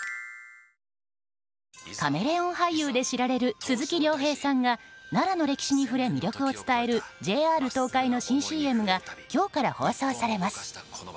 カメレオン俳優で知られる鈴木亮平さんが奈良の歴史に触れ魅力を伝えるＪＲ東海の新ＣＭが今日から放送されます。